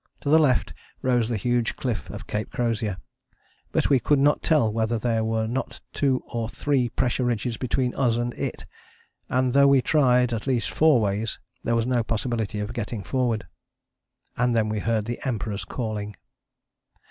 To the left rose the huge cliff of Cape Crozier, but we could not tell whether there were not two or three pressure ridges between us and it, and though we tried at least four ways, there was no possibility of getting forward. And then we heard the Emperors calling.